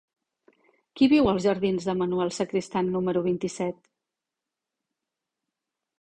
Qui viu als jardins de Manuel Sacristán número vint-i-set?